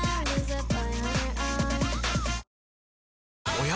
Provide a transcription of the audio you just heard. おや？